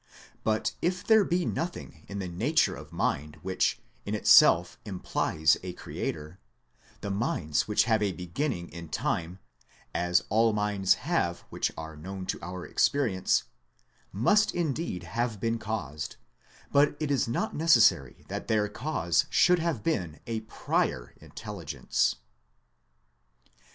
But if there be nothing in the nature of mind which in itself implies a Creator, the 154 THEISM minds which have a beginning in time, as all minds have which are known to our experience, must indeed have been caused, but it is not necessary that their cause should have been a prior Intelligence.